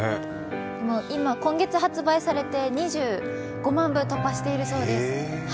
今月発売されて２５万部突破しているそうです。